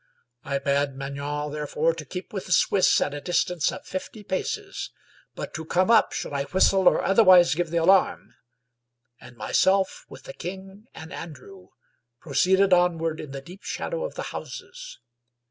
I bade Maignan therefore to keep with the Swiss at a distance of fifty paces, but to come up should I whistle or otherwise give the alarm ; and myself with the king and Andrew proceeded* onward in the deep shadow of the houses.